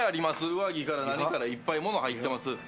上着から何からいっぱい物が入ってます。